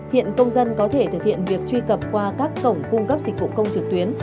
hiện công dân có thể thực hiện việc truy cập qua các cổng cung cấp dịch vụ công trực tuyến